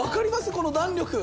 この弾力！